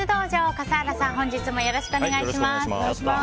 笠原さん、本日もよろしくお願いします。